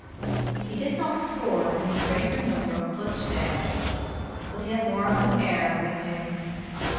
He did not score any greater number of touchdowns, but he had more of an air with him.